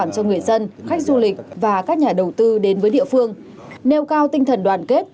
cho người dân khách du lịch và các nhà đầu tư đến với địa phương nêu cao tinh thần đoàn kết